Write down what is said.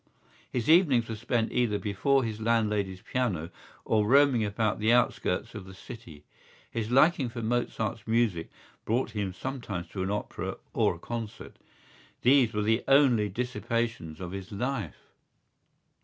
His evenings were spent either before his landlady's piano or roaming about the outskirts of the city. His liking for Mozart's music brought him sometimes to an opera or a concert: these were the only dissipations of his life.